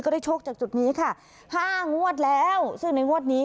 ได้โชคจากจุดนี้ค่ะห้างวดแล้วซึ่งในงวดนี้